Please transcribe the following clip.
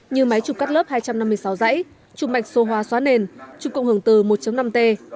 như máy chụp cắt lớp hai trăm năm mươi sáu dãy chụp mạch xô hóa xóa nền chụp cộng hưởng từ một năm t